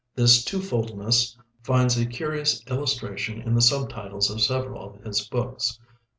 This twofoldness finds a curious illustration in the sub titles of several of his books.